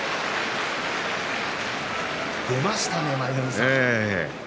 出ましたね、舞の海さん。